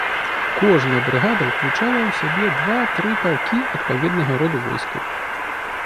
Кожная брыгада ўключала ў сябе два-тры палкі адпаведнага роду войскаў.